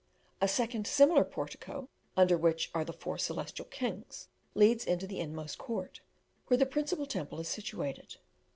A second similar portico, under which are the four Celestial Kings, leads into the inmost court, where the principal temple is situated.